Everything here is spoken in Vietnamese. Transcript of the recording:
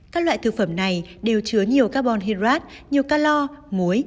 các loại thực phẩm này đều chứa nhiều carbon hyrat nhiều calor muối